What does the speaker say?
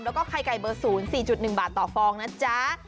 แล้วก็ไข่ไก่เบอร์๐๔๑บาทต่อฟองนะจ๊ะ